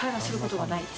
はい。